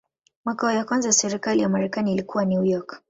Makao ya kwanza ya serikali ya Marekani ilikuwa New York.